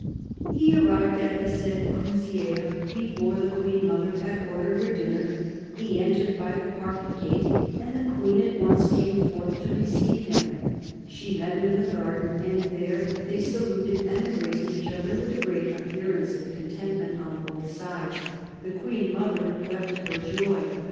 " He arrived at the said Couzieres before the Queen mother had ordered her dinner; he entered by the park gate, and the Queen at once came forth to receive him. She met him in the garden, and there they saluted and embraced each other with a great appearance of content ment on both sides ; the Queen mother wept for joy."